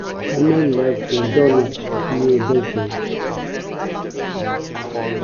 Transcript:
Ammann lives in Dornach near Basel.